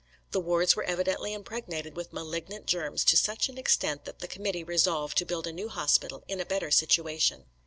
The wards were evidently impregnated with malignant germs to such an extent that the committee resolved to build a new hospital in a better situation.